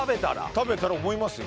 食べたら思いますよ